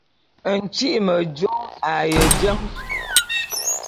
Ntyi'i mejô a ye jene.